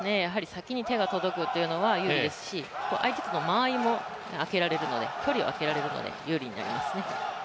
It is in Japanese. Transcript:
先に手が届くというのは有利ですし相手との間合いもあけられるので距離をあけられるので有利になりますね。